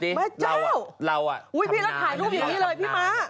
พี่แม่ถ่ายรูปแบบนี้เรนน่ะพี่ม๊า